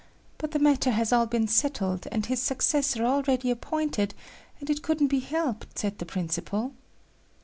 But the matter has all been settled, and his successor already appointed and it couldn't be helped, said the principal."